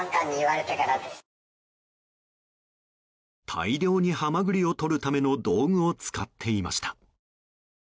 大量にハマグリをとるための道具を使っていました。